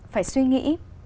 phải suy nghĩ